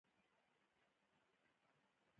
ایا ستاسو شامپو به کیفیت ولري؟